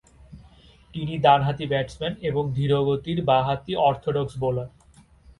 তিনি ডানহাতি ব্যাটসম্যান এবং ধীরগতির বা-হাতি অর্থোডক্স বোলার।